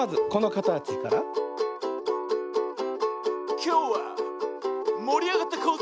「きょうはもりあがっていこうぜ！」